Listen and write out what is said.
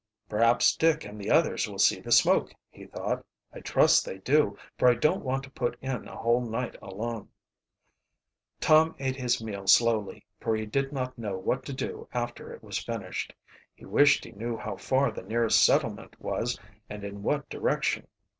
"Perhaps Dick and the others will see the smoke," he thought. "I trust they do, for I don't want to put in a whole night alone." Tom ate his meal slowly, for he did not know what to do after it was finished. He wished he knew how far the nearest settlement was and in what direction.